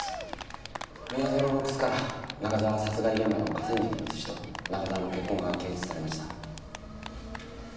宮園の靴から中沢殺害現場の河川敷の土と中沢の血痕が検出されました。